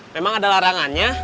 memang ada larangannya